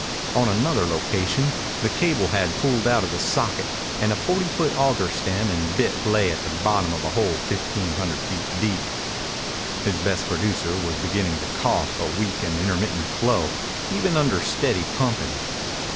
On another location the cable had pulled out of the socket and a forty foot auger stem and bit lay at the bottom of a hole fifteen hundred feet deep. His best producer was beginning to cough a weak and intermittent flow even under steady pumping.